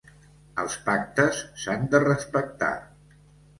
Els pactes s'han de respectar.